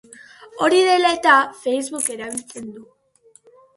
Hori dela eta, Facebook erabiltzen du.